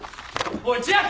おい千秋！